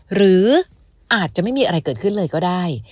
หรืออาจจะไม่มีอะไรเกิดขึ้นเลยก็ได้